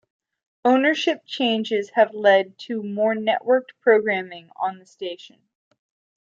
Ownership changes have led to more networked programming on the station.